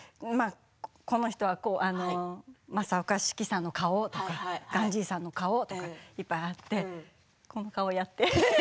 この人は正岡子規さんの顔とかガンジーさんの顔とかいっぱいあってこの顔やってって。